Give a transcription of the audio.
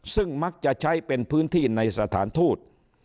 ซึ่งมักจะใช้เป็นพื้นที่ในสถานทูต